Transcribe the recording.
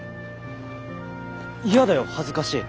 嫌だよ恥ずかしい。